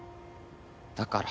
だから。